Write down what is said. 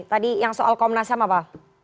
tadi yang soal komnas ham apa